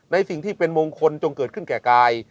ในสิ่งที่เป็นมงคลจงเกิดขึ้นแก่กาย